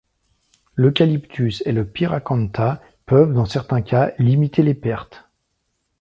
L’Eucalyptus et le Pyracantha peuvent, dans certains cas, limiter les pertes.